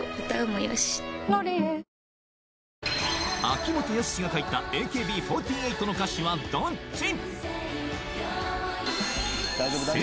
秋元康が書いたＡＫＢ４８の歌詞はどっち？